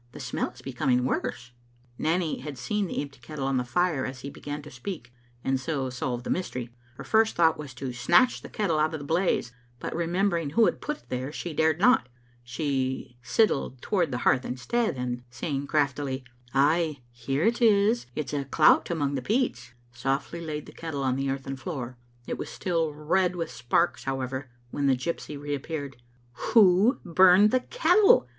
The smell is becoming worse." Nanny had seen the empty kettle on the fire as he began to speak, and so solved the mystery. Her first thought was to snatch the kettle out of the blaze, but remembering who had put it there, she dared not. She sidled toward the hearth instead, and saying craftily, "Ay, here it is; it's a clout among the peats," softly laid the kettle on the earthen floor. It was still red with sparks, however, when the gypsy reappeared. "Who burned the kettle?"